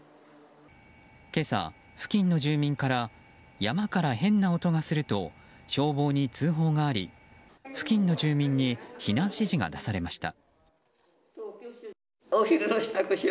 今朝、付近の住民から山から変な音がすると消防に通報があり付近の住民に避難指示が出されました。